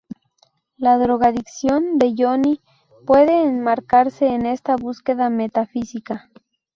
La drogadicción de Johnny puede enmarcarse en esta búsqueda metafísica.